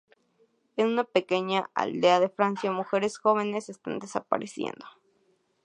En una pequeña aldea de Francia, mujeres jóvenes están desapareciendo.